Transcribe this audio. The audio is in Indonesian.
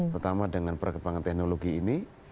terutama dengan perkembangan teknologi ini